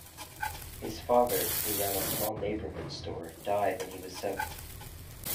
His father, who ran a small neighborhood store, died when he was seven.